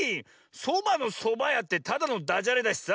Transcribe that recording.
「そばのそばや」ってただのダジャレだしさ。